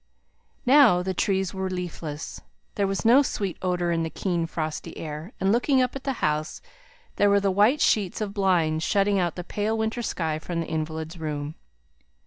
Now, the trees leafless, there was no sweet odour in the keen frosty air; and looking up at the house, there were the white sheets of blinds, shutting out the pale winter sky from the invalid's room.